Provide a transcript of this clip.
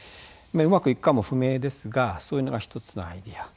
うまくいくかも不明ですがそういうのが一つのアイデア。